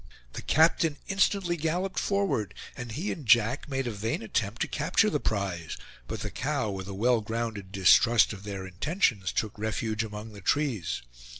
The captain instantly galloped forward, and he and Jack made a vain attempt to capture the prize; but the cow, with a well grounded distrust of their intentions, took refuge among the trees.